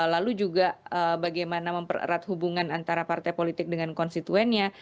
lalu juga bagaimana mempererat hubungan antara partai politik dengan konstituennya